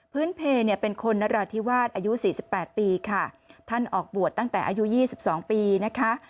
เพลเนี่ยเป็นคนนราธิวาสอายุ๔๘ปีค่ะท่านออกบวชตั้งแต่อายุ๒๒ปีนะคะ